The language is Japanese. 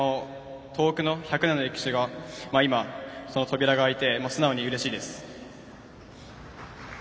東北の１００年の歴史が今その扉が開いて素直にうれしいです。